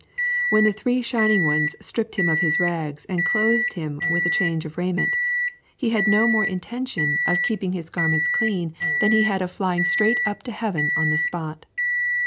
When the three shining ones stripped him of his rags and clothed him with change of raiment, he had no more intention of keeping his garments clean than he had of flying straight up to heaven on the spot.